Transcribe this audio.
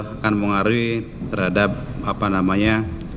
akan mengaruhi terhadap apa namanya